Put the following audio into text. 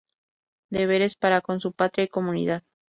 Deberes para con su patria y comunidad.